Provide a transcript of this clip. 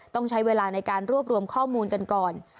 ต้องใช้เวลาในการรวบรวมข้อมูลกันก่อน